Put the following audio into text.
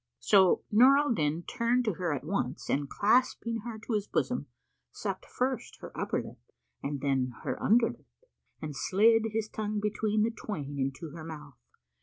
So Nur al Din turned to her at once and clasping her to his bosom, sucked first her upper lip and then her under lip and slid his tongue between the twain into her mouth.